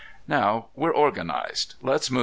Now, we're organized. Let's move."